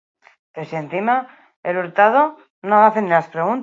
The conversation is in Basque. Modu horretan, erabiltzaileak ez du ezer idatzi behar.